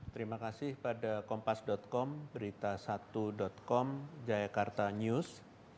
terima kasih pada kompas com berita satu com jayakarta news